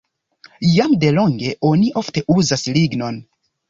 Jam delonge oni ofte uzas lignon.